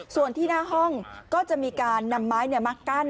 ส่วนที่หน้าห้องก็จะมีการนำไม้มากั้น